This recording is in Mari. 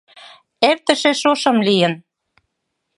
Эртыше шошым лийын.